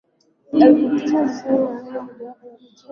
Elfu moja mia tisa tisini na nane Mmojawapo wa michezo